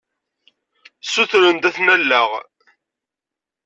Ssutren-d ad ten-alleɣ.